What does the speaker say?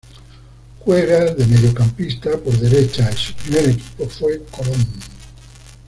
Juega de mediocampista por derecha y su primer equipo fue Colón.